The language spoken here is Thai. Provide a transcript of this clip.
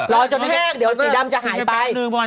รอจนแห้งเดี๋ยวสีดำจะหายไป